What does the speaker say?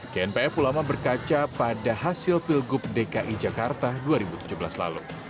gnpf ulama berkaca pada hasil pilgub dki jakarta dua ribu tujuh belas lalu